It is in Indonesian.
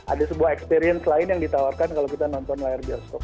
ada sebuah experience lain yang ditawarkan kalau kita nonton layar bioskop